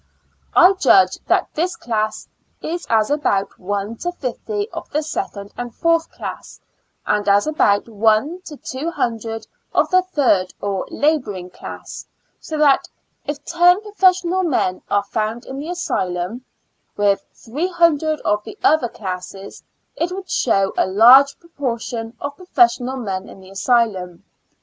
I judge that this class is as about one to fifty of the second and fourth class, and as about one to two hundred of the third or laborinor o class, so that if ten professional men are 104 ^^^'^ Years AND Four Months found in the asylum, with three hundred of the other classes, it would show a large proportion of professional men in the asj'lum.